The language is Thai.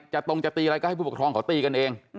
ตรงจะตีอะไรก็ให้ผู้ปกครองเขาตีกันเอง